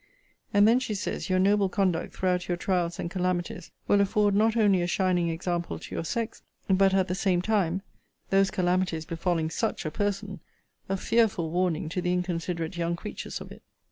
And then, she says, your noble conduct throughout your trials and calamities will afford not only a shining example to your sex, but at the same time, (those calamities befalling SUCH a person,) a fearful warning to the inconsiderate young creatures of it.